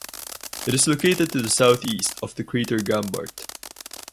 It is located to the southeast of the crater Gambart.